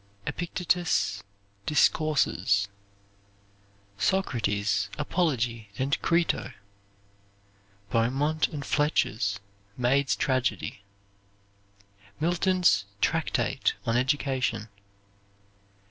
Epictetus' Discourses. Socrates' "Apology and Crito." Beaumont and Fletcher's "Maid's Tragedy." Milton's Tractate on Education.